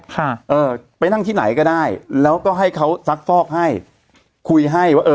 ค่ะเออไปนั่งที่ไหนก็ได้แล้วก็ให้เขาซักฟอกให้คุยให้ว่าเออ